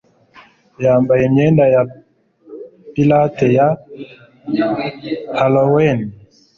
Yambaye imyenda ya pirate ya Halloween.